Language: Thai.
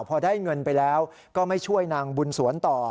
พอได้เงินไปแล้วก็ไม่ช่วยนางบุญสวนต่อ